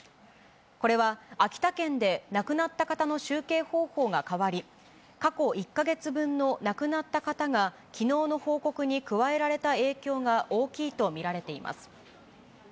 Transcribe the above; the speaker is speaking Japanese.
これは秋田県で亡くなった方の集計方法が変わり、過去１か月分の亡くなった方が、きのうの報告に加えられた影響が大きいと見られています。